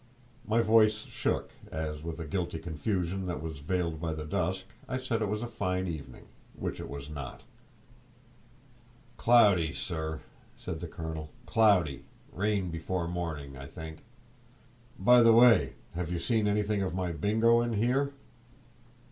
My voice shook as, with a guilty confusion that was veiled by the dusk, I said it was a fine evening—which it was not. "Cloudy, sir," said the colonel, "cloudy; rain before morning, I think. By the way, have you seen anything of Bingo in here?"